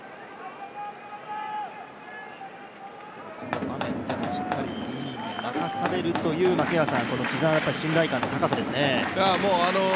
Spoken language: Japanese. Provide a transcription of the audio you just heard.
この場面でもしっかり２イニング任されるという木澤は信頼感の高さですね。